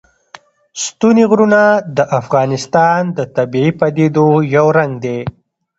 ستوني غرونه د افغانستان د طبیعي پدیدو یو رنګ دی.